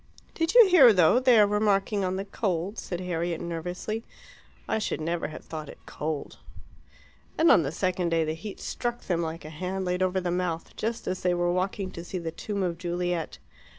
"Did you hear, though, they are remarking on the cold?" said Harriet nervously. "I should never have thought it cold." And on the second day the heat struck them, like a hand laid over the mouth, just as they were walking to see the tomb of Juliet.